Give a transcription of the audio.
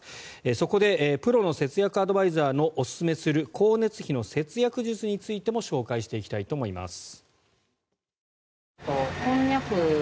そこでプロの節約アドバイザーのおすすめする光熱費の節約術についても紹介していきたいと思います。